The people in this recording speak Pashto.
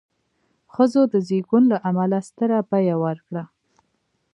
ښځو د زېږون له امله ستره بیه ورکړه.